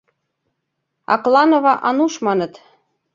— Акланова Ануш маныт.